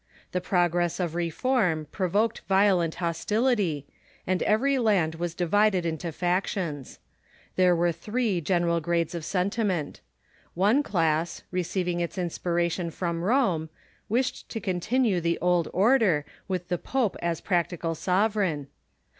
The progress of reform provoked violent hostility, and every land was divided into factions. There were three general grades of sentiment. One class, receiving its inspiration from Rome, wished to continue the old order, with the pope as prac tical sovereign.